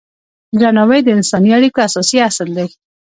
درناوی د انساني اړیکو اساسي اصل دی.